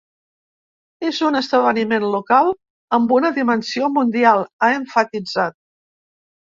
“És un esdeveniment local amb una dimensió mundial”, ha emfatitzat.